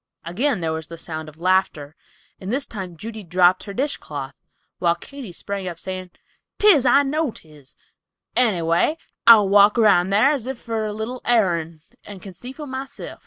Again there was the sound of laughter, and this time Judy dropped her dishcloth, while Katy sprang up, saying, "'Tis, I know 'tis; any way, I'll walk round thar as if for a little airin', and can see for myself."